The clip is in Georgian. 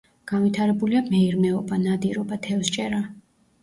განვითარებულია მეირმეობა, ნადირობა, თევზჭერა.